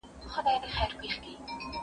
که وخت وي، اوبه ورکوم!؟